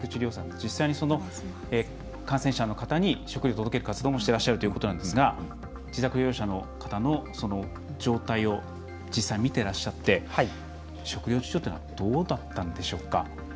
実際に感染者の方に食料を届ける活動もしてらっしゃるということなんですが自宅療養者の方の状態を実際、見てらっしゃって食料事情というのはどうだったんでしょうか。